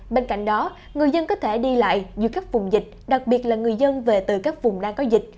bên cạnh đó người dân có thể đi lại du khách vùng dịch đặc biệt là người dân về từ các vùng đang có dịch